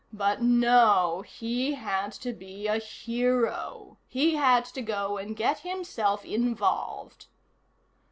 But no he had to be a hero. He had to go and get himself involved.